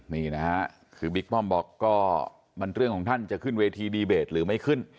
นี่นะฮะคือบิ๊กป้อมบอกก็มันเรื่องของท่านจะขึ้นเวทีดีเบตหรือไม่ขึ้น